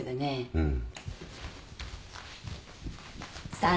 うん。